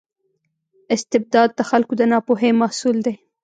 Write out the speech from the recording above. استبداد د خلکو د ناپوهۍ محصول دی.